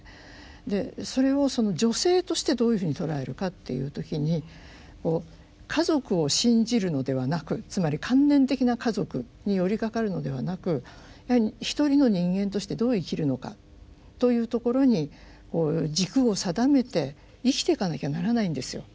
でそれを女性としてどういうふうに捉えるかっていう時に家族を信じるのではなくつまり観念的な家族に寄りかかるのではなくやはり一人の人間としてどう生きるのかというところにこう軸を定めて生きていかなきゃならないんですよ。